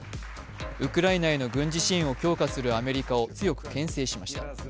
ウクライナへの軍事支援を強化するアメリカを強くけん制しました。